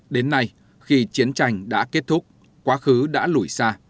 đến nay khi chiến tranh đã kết thúc quá khứ đã lùi xa